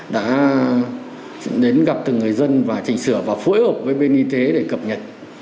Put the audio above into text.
đã đến gặp từng người dân và chỉnh sửa và phối hợp với bên y tế để cập nhật